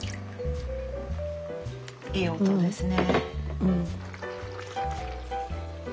いい音ですね。